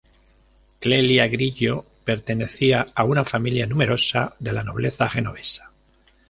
Clelia Grillo pertenecía a una familia numerosa de la nobleza genovesa.